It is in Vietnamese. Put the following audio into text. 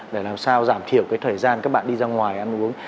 để làm sao giảm thiểu cái thời gian các bạn đi ra ngoài ăn uống